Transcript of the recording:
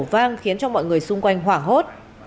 vang khiến cho mọi người xung quanh hoảng hốt